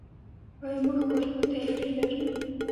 آیا موږ کارګو طیارې لرو؟